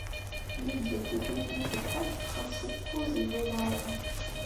Lidya n Tifrit n At Lḥaǧ txelleṣ-it kuẓ n yidulaṛen.